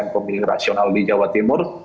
pemilih rasional di jawa timur